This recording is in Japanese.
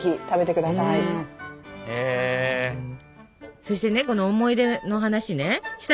そしてねこの思い出の話ねひさ